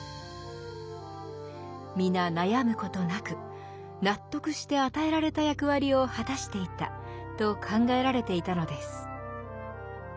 皆悩むことなく納得して与えられた役割を果たしていたと考えられていたのです。